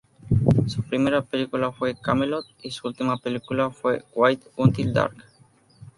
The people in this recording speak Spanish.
Su primera película fue "Camelot" y su última película fue "Wait Until Dark".